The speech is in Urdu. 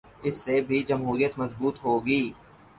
اس سے بھی جمہوریت مضبوط ہو گی۔